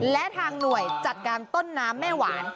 และทางหน่วยจัดการต้นน้ำแม่หวาน